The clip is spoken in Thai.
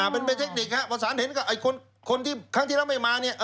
เป็นเทคนิคสารเห็นคนที่ครั้งที่แล้วไม่มา